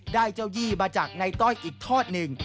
เจ้ายี่มาจากในต้อยอีกทอดหนึ่ง